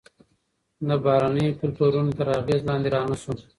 د بهرنیو کلتورونو تر اغیز لاندې رانه شو.